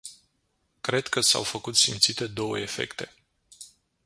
Cred că s-au făcut simțite două efecte.